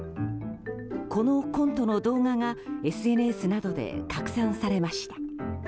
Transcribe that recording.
このコントの動画がＳＮＳなどで拡散されました。